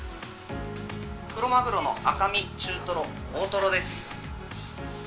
クロマグロの赤身、中トロ、大トロです。